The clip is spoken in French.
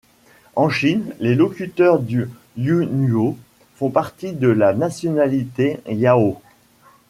En Chine les locuteurs du Younuo font partie de la nationalité yao.